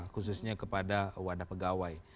khususnya kepada wadah pegawai